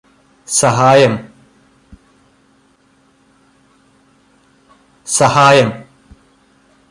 സഹായം